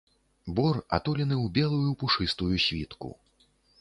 Бор атулены ў белую пушыстую світку.